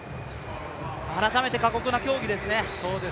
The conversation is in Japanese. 改めて過酷な競技ですね。